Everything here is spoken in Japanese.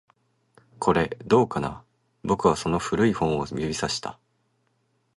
これ、どうかな？僕はその古い本を指差した